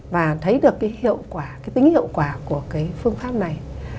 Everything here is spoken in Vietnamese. và thấy được cái hiệu quả cái tính hiệu quả của cái phương pháp này